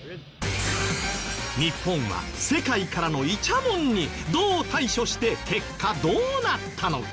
日本は世界からのイチャモンにどう対処して結果どうなったのか？